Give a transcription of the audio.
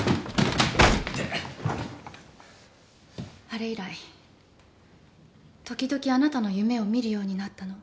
あれ以来時々あなたの夢を見るようになったの。